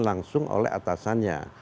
langsung oleh atasannya